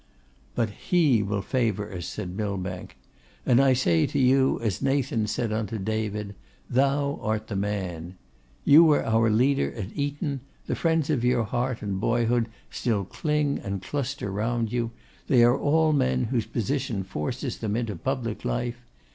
'But He will favour us,' said Millbank. 'And I say to you as Nathan said unto David, "Thou art the man!" You were our leader at Eton; the friends of your heart and boyhood still cling and cluster round you! they are all men whose position forces them into public life.